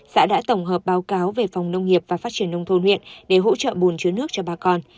xã đã tổng hợp báo cáo về phòng nông nghiệp và phát triển nông thôn huyện để hỗ trợ bồn chứa nước cho bà con